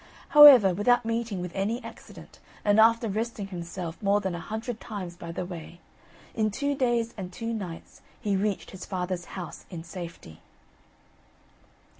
However, without meeting with any accident, and after resting himself more than a hundred times by the way, in two days and two nights he reached his father's house in safety.